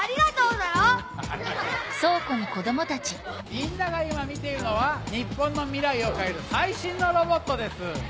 みんなが今見ているのは日本の未来を変える最新のロボットです。